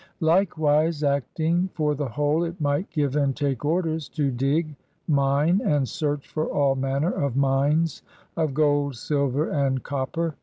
Likewise, acting for the whole, it might give and take orders "'to dig, mine and search for all manner of mines of gold, silver and copper